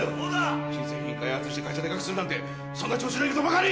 新製品開発して会社でかくするなんてそんな調子のいいことばかり！